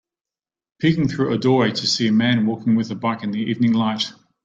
Peeking through a doorway to see a man walking with a bike in the evening light.